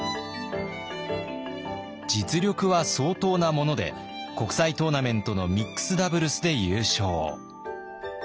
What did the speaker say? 実力は相当なもので国際トーナメントのミックスダブルスで優勝。